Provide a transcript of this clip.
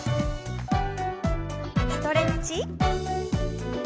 ストレッチ。